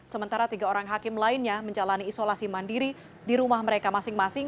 sementara tiga orang hakim lainnya menjalani isolasi mandiri di rumah mereka masing masing